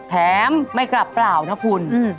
ไม่กลับเปล่านะคุณ